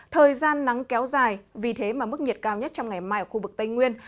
thời gian nắng kéo dài vì thế mà mức nhiệt cao nhất trong ngày mai ở khu vực tây nguyên